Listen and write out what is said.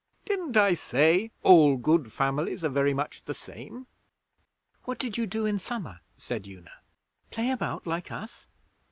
'Didn't I say all good families are very much the same?' 'What did you do in summer?' said Una. 'Play about, like us?'